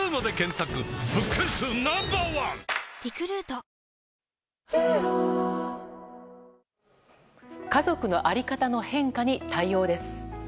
東京海上日動家族の在り方の変化に対応です。